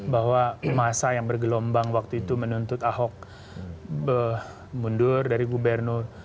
bahwa masa yang bergelombang waktu itu menuntut ahok mundur dari gubernur